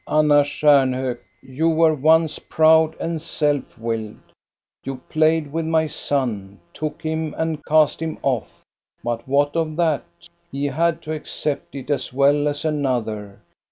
" Anna Stjarnhok, you were once proud and self willed : you played with my son, took him and cast him off. But what of that? He had to accept it, as well as another.